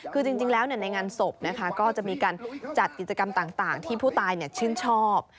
คือจริงแล้วในงานศพนะคะก็จะมีการจัดกิจกรรมต่างที่ผู้ตายชื่นชอบ